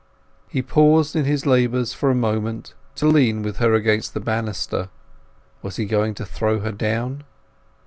He paused in his labours for a moment to lean with her against the banister. Was he going to throw her down?